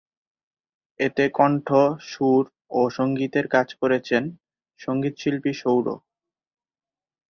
এতে কন্ঠ, সুর ও সংগীতের কাজ করেছেন সংগীতশিল্পী সৌর।